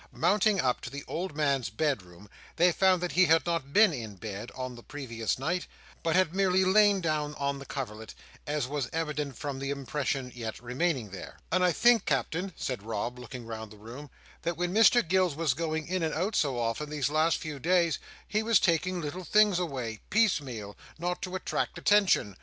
Mounting up to the old man's bed room, they found that he had not been in bed on the previous night, but had merely lain down on the coverlet, as was evident from the impression yet remaining there. "And I think, Captain," said Rob, looking round the room, "that when Mr Gills was going in and out so often, these last few days, he was taking little things away, piecemeal, not to attract attention."